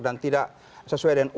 dan tidak sesuai dengan keinginan mereka